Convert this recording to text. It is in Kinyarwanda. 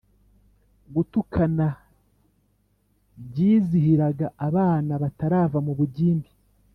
gutukana, byizihiraga abana batarava mu bugimbi,